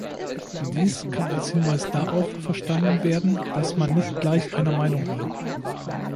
Dies kann als Hinweis darauf verstanden werden, dass man nicht gleich einer Meinung war.